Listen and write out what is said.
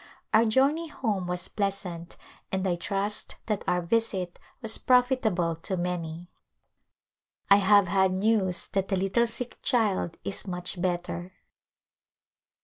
Our journey home was pleasant and I trust that our visit was profitable to many. I have had news that the little sick child is much better.